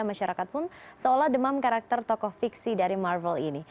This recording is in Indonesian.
masyarakat pun seolah demam karakter tokoh fiksi dari marvel ini